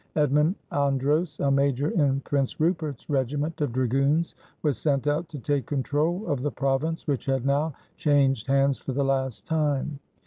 Edmund Andros, a major in Prince Rupert's regiment of dragoons, was sent out to take control of the province, which had now changed hands for the last time.